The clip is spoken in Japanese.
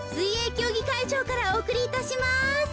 きょうぎかいじょうからおおくりいたします。